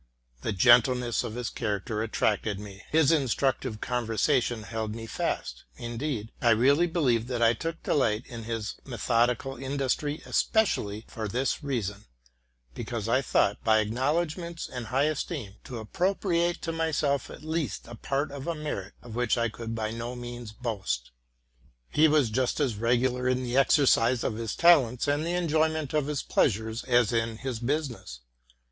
The gentleness of his character attracted me, his instructive conversation held me fast; indeed, I really believe that I took delight in his methodical industry especially for this reason, because I thought, by acknowle dg ments and high esteem, to appropriate to my self at least : part of a merit of which I could by no means boast. He was just as regular in the exercise of his talents and the enjoyment of his pleasures as in his business.